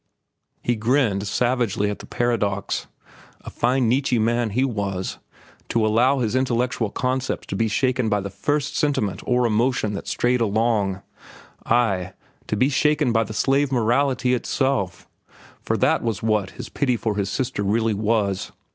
He grinned savagely at the paradox. A fine Nietzsche man he was, to allow his intellectual concepts to be shaken by the first sentiment or emotion that strayed along—ay, to be shaken by the slave morality itself, for that was what his pity for his sister really was.